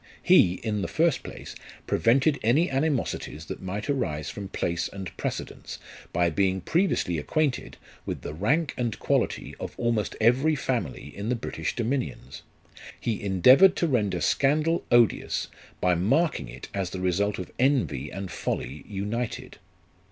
He, in the first place, prevented any animosities that might arise from place and precedence, by being previously acquainted with the rank and quality of almost every family in the British dominions. He endeavoured to render scandal odious, by marking it as the result of envy and folly united.